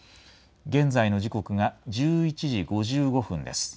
現在の時刻が１１時５５分です。